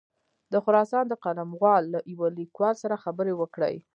د خراسان د قلموال له یوه لیکوال سره خبرې وکړې.